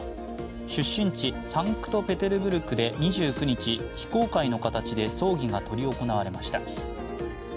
出身地サンクトペテルブルクで２９日、非公開の形で葬儀が執り行われました。